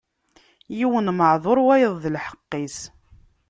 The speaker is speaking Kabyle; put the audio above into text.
Yiwen meɛduṛ, wayeḍ d lḥeqq-is.